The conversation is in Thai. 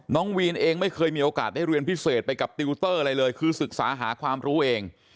วีนเองไม่เคยมีโอกาสได้เรียนพิเศษไปกับติวเตอร์อะไรเลยคือศึกษาหาความรู้เอง